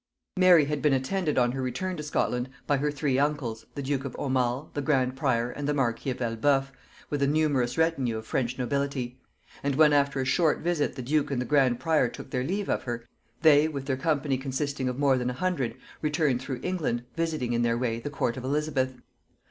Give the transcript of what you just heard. Mary had been attended on her return to Scotland by her three uncles, the duke of Aumale, the grand prior and the marquis of Elbeuf, with a numerous retinue of French nobility; and when after a short visit the duke and the grand prior took their leave of her, they with their company consisting of more than a hundred returned through England, visiting in their way the court of Elizabeth.